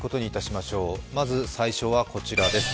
まず最初はこちらです。